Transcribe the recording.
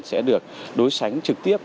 sẽ được đối sánh trực tiếp